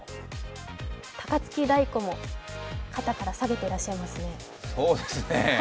高槻太鼓も肩からさげてらっしゃいますね。